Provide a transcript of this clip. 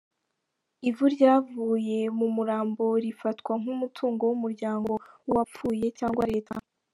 Ivu ryavuye mu murambo rifatwa nk’umutungo w’umuryango w’uwapfuye cyangwa Leta.